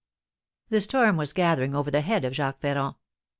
The storm was gathering over the head of Jacques Ferrand.